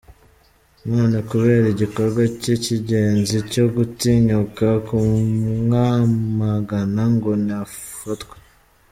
None kubera igikorwa cye cy’ingenzi cyogutinyuka kumwamagana ngo ni afatwe!